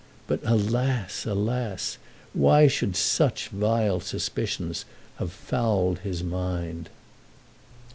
But, alas, alas! why should such vile suspicions have fouled his mind?